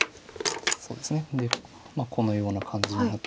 そうですねでこのような感じになって。